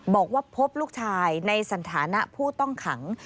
บอกว่าพบลูกชายในสถานะผู้ต้องขัง